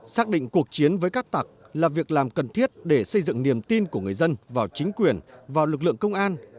xác định cuộc chiến với cát tặc là việc làm cần thiết để xây dựng niềm tin của người dân vào chính quyền vào lực lượng công an